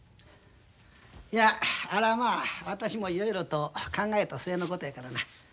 いやあれはまあ私もいろいろと考えた末のことやからな。